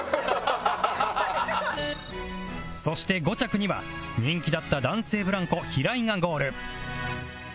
そして５着には人気だった男性ブランコ平井がゴール